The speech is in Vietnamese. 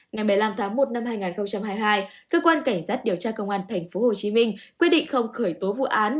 ngày một mươi năm tháng một năm hai nghìn hai mươi hai cơ quan cảnh sát điều tra công an tp hcm quyết định không khởi tố vụ án